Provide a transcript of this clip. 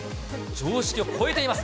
常識を超えています。